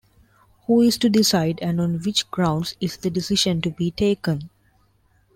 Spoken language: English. Who is to decide, and on which grounds is the decision to be taken?